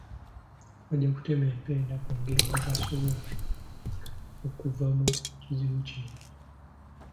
Bajja kutema empenda ku ngeri gye basobola okuva mu kizibu kino.